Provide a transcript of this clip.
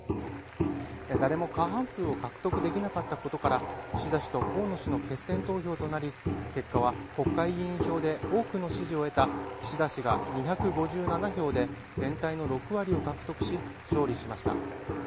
誰も過半数を獲得できなかったことから、岸田氏と河野氏の決選投票となり、結果は国会議員票で多くの支持を得た岸田氏が２５７票で全体の６割を獲得し勝利しました。